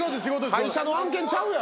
会社の案件ちゃうやろ？